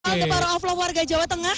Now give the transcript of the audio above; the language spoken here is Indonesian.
selamat siang ke para aflop warga jawa tengah